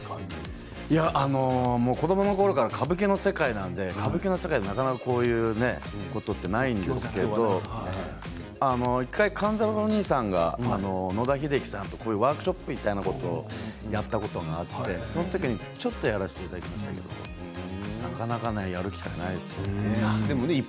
子どものころから歌舞伎の世界なので歌舞伎の世界はなかなかこういうことってないんですけど１回勘三郎兄さんか野田秀樹さんとワークショップみたいなものをやったことがあってそのときちょっとやらせていただきましたけれどなかなか、やる機会ないですね。